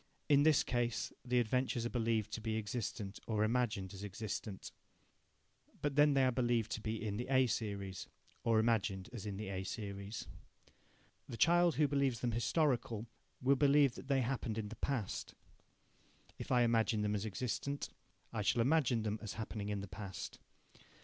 In this case, the adventures are believed to be existent or imagined as existent. But then they are believed to be in the A series, or imagined as in the A series. The child who believes them historical will believe that they happened in the past. If I imagine them as existent, I shall imagine them as happening in the past.